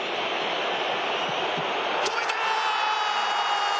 止めた！